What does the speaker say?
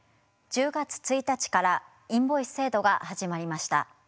１０月１日からインボイス制度が始まりました。